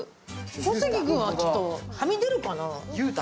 小関君はちょっとはみ出るかな。